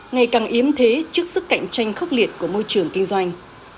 ngày càng yếm thế trước sức cạnh tranh khốc liệt của môi trường kinh doanh